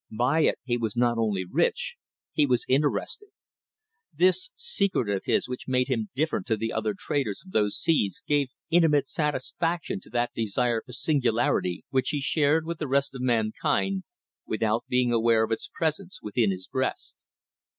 By it he was not only rich he was interesting. This secret of his which made him different to the other traders of those seas gave intimate satisfaction to that desire for singularity which he shared with the rest of mankind, without being aware of its presence within his breast.